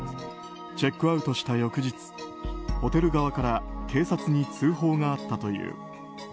チェックアウトした翌日ホテル側から警察に通報があったという。